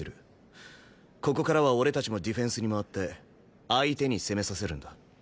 ここからは俺たちもディフェンスに回って相手に攻めさせるんだ。